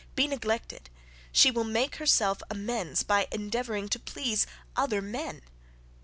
be neglected, she will make herself amends by endeavouring to please other men.